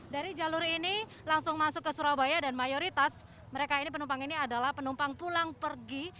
dari jalur ini langsung masuk ke surabaya dan mayoritas mereka ini penumpang ini adalah penumpang pulang pergi